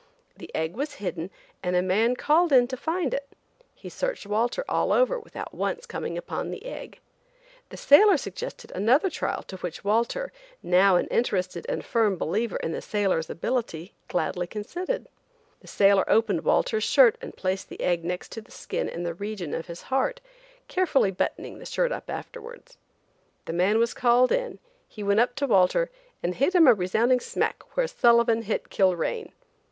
The egg was hidden and a man called in to find it. He searched Walter all over without once coming upon the egg. The sailor suggested another trial to which Walter, now an interested and firm believer in the sailor's ability, gladly consented. The sailor opened Walter's shirt and placed the egg next to the skin in the region of his heart, carefully buttoning the shirt afterwards. The man was called in, he went up to Walter and hit him a resounding smack where Sullivan hit Kilrain.